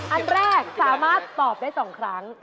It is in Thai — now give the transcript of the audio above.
อันแรกสามารถตอบได้๒ครั้ง